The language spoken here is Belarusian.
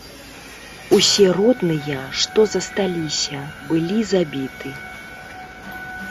Усе родныя, што засталіся былі забіты.